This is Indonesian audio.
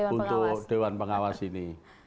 untuk dewan pengawas ini